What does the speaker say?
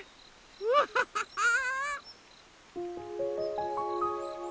ワハハハー！